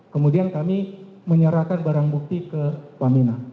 kemudian kami menyerahkan barang bukti ke pamina